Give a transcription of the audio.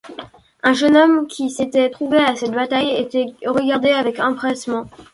Un jeune homme qui s’était trouvé à cette bataille était regardé avec empressement.